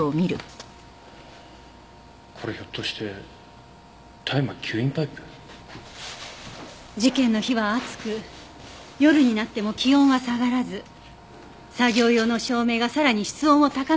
これひょっとして大麻吸引パイプ？事件の日は熱く夜になっても気温は下がらず作業用の照明がさらに室温を高めていた。